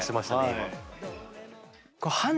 今。